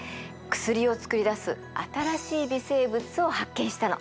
薬を作り出す新しい微生物を発見したの。